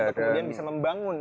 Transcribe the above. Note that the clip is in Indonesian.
untuk kemudian bisa membangun